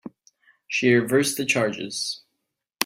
She reversed the charges.